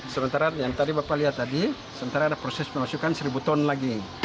sementara yang tadi bapak lihat tadi sementara ada proses pemasukan seribu ton lagi